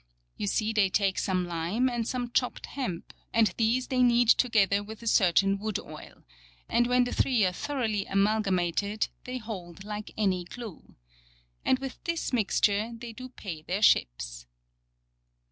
You see they take some lime and some chopped hemp, and these they knead together with a certain wood oil ; and when the three are thoroughly amalgamated, they hold like any glue. And with this mixture they do pay their ships.